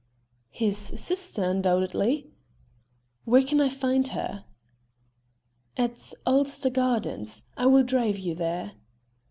"His sister, undoubtedly." "Where can I find her?" "At Ulster Gardens. I will drive you there."